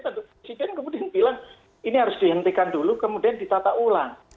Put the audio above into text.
tentu presiden kemudian bilang ini harus dihentikan dulu kemudian ditata ulang